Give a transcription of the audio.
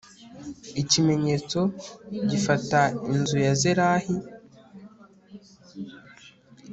ikimenyetso gifata inzu ya zerahi